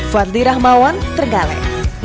fadli rahmawan tregale